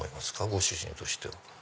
ご主人としては。